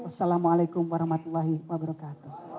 wassalamualaikum warahmatullahi wabarakatuh